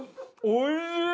おいしい。